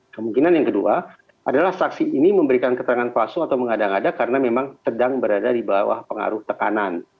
kemungkinan yang kedua adalah saksi ini memberikan keterangan palsu atau mengada ngada karena memang sedang berada di bawah pengaruh tekanan